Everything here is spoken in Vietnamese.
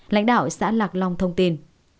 lãnh đạo xã lạc long thông tin